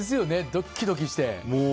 ドキドキして。